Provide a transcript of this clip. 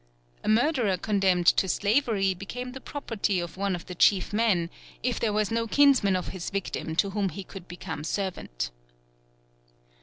A murderer condemned to slavery became the property of one of the chief men, if there was no kinsman of his victim to whom he could become servant.